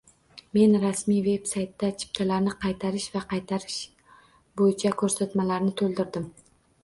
Men rasmiy veb -saytda chiptalarni qaytarish va qaytarish bo'yicha ko'rsatmalarni to'ldirdim